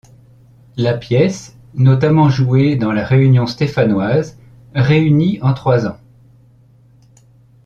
La pièce, notamment joué dans la région stéphanoise, réunit en trois ans.